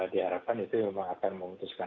diharapkan itu memang akan memutuskan